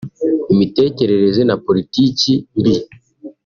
imitekerereza na politiki mbi